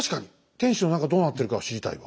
天主の中どうなってるかは知りたいわ。